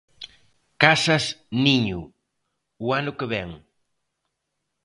Casas niño, o ano que vén.